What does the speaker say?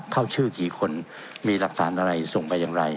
เข้าชื่อกี่คนมีหลักฐานอะไรส่งไปอย่างไร